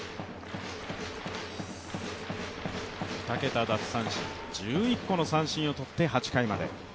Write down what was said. ２桁奪三振、１１個の三振を取って、８回まで。